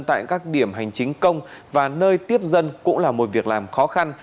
tại các điểm hành chính công và nơi tiếp dân cũng là một việc làm khó khăn